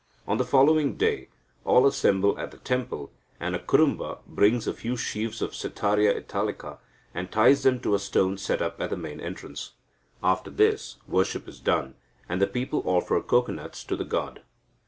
On the following day, all assemble at the temple, and a Kurumba brings a few sheaves of Setaria italica, and ties them to a stone set up at the main entrance. After this, worship is done, and the people offer cocoanuts to the god.